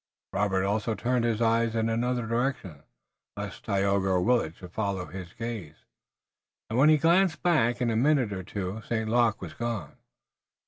Robert also turned his eyes in another direction, lest Tayoga or Willet should follow his gaze, and when he glanced back again in a minute or two St. Luc was gone.